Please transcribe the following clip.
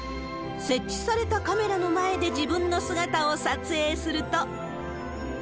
設置されたカメラの前で自分の姿を撮影すると。